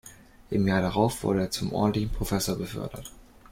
Im Jahr darauf wurde er zum ordentlichen Professor befördert.